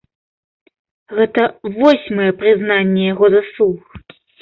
Гэта восьмае прызнанне яго заслуг.